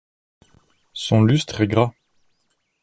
Son lustre est gras.